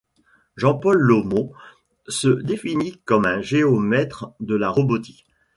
Jean-Paul Laumond se définit comme un géomètre de la robotique.